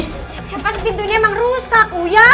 ya kan pintunya emang rusak uya